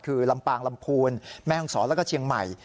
คือลำปางลำพูนแม่ห้องศรแล้วก็เชียงใหม่